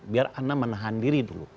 biar anda menahan diri dulu